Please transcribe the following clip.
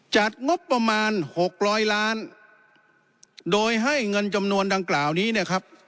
จัดงบประมาณหกร้อยล้านโดยให้เงินจำนวนดังกล่าวนี้เนี่ยครับ